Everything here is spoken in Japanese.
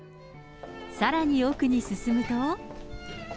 さらに奥に進むと。